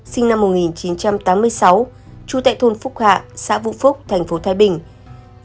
sinh năm một nghìn chín trăm tám mươi sáu tru tại thôn phúc hạ xã vũ phúc tp thái bình